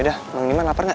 yaudah mang diman lapar gak